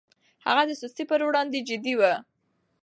هغه د سستي پر وړاندې جدي و.